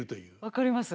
分かります。